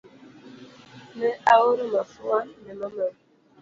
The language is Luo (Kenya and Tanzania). Ne aoro mafua ne mamau